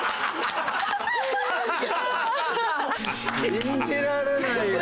信じられないよ